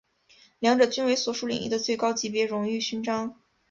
两者均为所属领域的最高级别荣誉勋章。